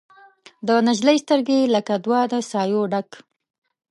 د نجلۍ سترګې لکه دوه د سايو ډک